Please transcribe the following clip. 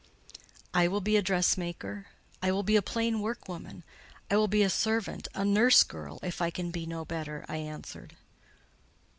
"I will be a dressmaker; I will be a plain workwoman; I will be a servant, a nurse girl, if I can be no better," I answered.